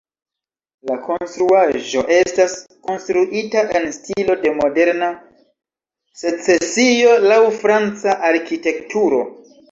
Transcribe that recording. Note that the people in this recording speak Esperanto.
La konstruaĵo estas konstruita en stilo de moderna secesio laŭ franca arkitekturo.